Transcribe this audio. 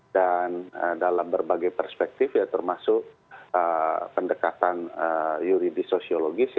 dan dalam berbagai perspektif ya termasuk pendekatan yuridis sosiologis